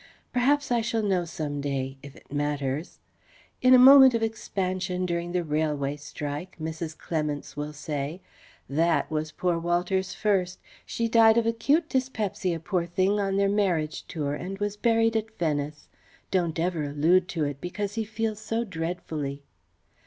Perhaps I shall know some day if it matters. In a moment of expansion during the Railway Strike, Mrs. Clements will say: "That was poor Walter's first. She died of acute dyspepsia, poor thing, on their marriage tour, and was buried at Venice. Don't ever allude to it because he feels it so dreadfully."